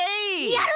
やる！